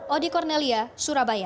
odi kornelia surabaya